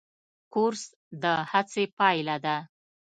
کورس د هڅې پایله ده.